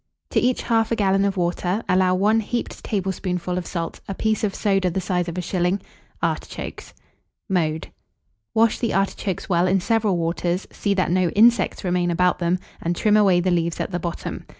To each 1/2 gallon of water, allow 1 heaped tablespoonful of salt, a piece of soda the size of a shilling; artichokes. [Illustration: ARTICHOKES.] Mode. Wash the artichokes well in several waters; see that no insects remain about them, and trim away the leaves at the bottom.